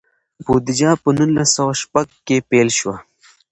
بودیجه په نولس سوه شپږ کې پیل شوه.